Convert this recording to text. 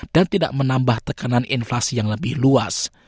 dan tidak menambah tekanan inflasi yang lebih luas